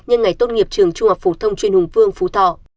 nhân ngày tôn nghiệp trường trung học phú thông trên hùng vương phú thọ